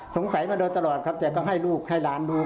มาโดยตลอดครับแต่ก็ให้ลูกให้หลานดู